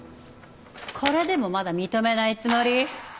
これでもまだ認めないつもり？